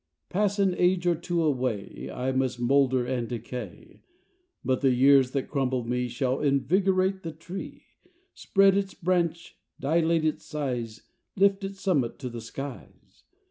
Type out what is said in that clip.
Pass an age or two away, I must moulder and decay, But the years that crumble me Shall invigorate the tree, Spread its branch, dilate its size, Lift its summit to the skies.